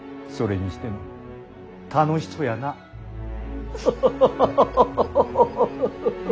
それにしても楽しそうやなあ。